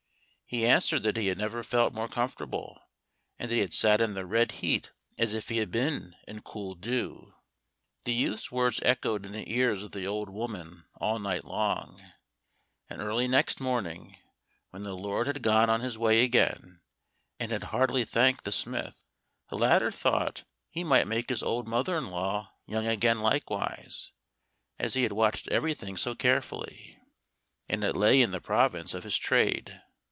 He answered that he had never felt more comfortable, and that he had sat in the red heat as if he had been in cool dew. The youth's words echoed in the ears of the old woman all night long, and early next morning, when the Lord had gone on his way again and had heartily thanked the smith, the latter thought he might make his old mother in law young again likewise, as he had watched everything so carefully, and it lay in the province of his trade.